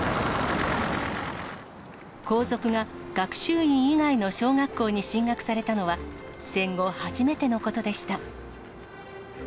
皇族が、学習院以外の小学校に進学されたのは、戦後初めてのことでした。